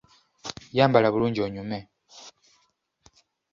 Yambala bulungi onyume.